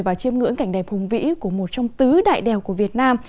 và chiêm ngưỡng cảnh đẹp hùng vĩ của một trong tứ đại đèo của việt nam